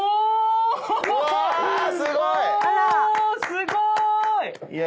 すごーい！